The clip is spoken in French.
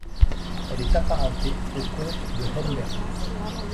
Elle est apparentée aux comtes de Homberg.